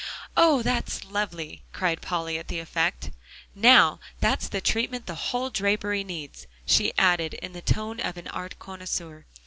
Oh! that's lovely," cried Polly, at the effect. "Now, that's the treatment the whole drapery needs," she added in the tone of an art connoisseur.